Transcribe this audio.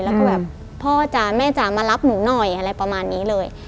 แล้วก็แบบพ่อจ๋าแม่จ๋ามารับหนูหน่อยอะไรประมาณนี้เลย